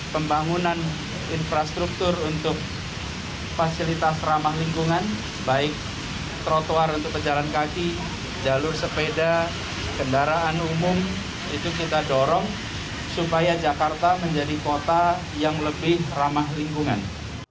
pembangunan infrastruktur untuk fasilitas ramah lingkungan baik trotoar untuk pejalan kaki jalur sepeda kendaraan umum itu kita dorong supaya jakarta menjadi kota yang lebih ramah lingkungan